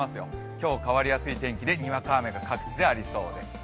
今日は変わりやすい天気でにわか雨が各地でありそうです。